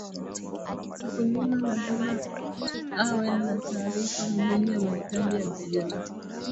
Mkulima lazima awe na taarifa muhimu ya mahitaji ya mteja wake